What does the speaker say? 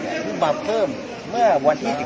สวัสดีครับพี่เบนสวัสดีครับ